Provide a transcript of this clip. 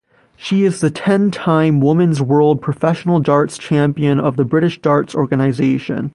She is the ten-time Women's World Professional Darts Champion of the British Darts Organisation.